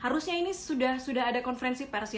harusnya ini sudah ada konferensi pers ya